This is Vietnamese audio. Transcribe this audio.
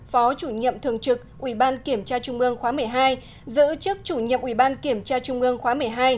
phó chủ nhiệm thường trực ủy ban kiểm tra trung ương khóa một mươi hai giữ chức chủ nhiệm ủy ban kiểm tra trung ương khóa một mươi hai